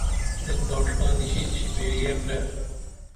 ایک باٹ ڜا نیشی شیپیریے پرے